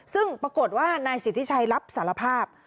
ซึ่งปรากฏว่านายสิทธิชัยรับสารภาพ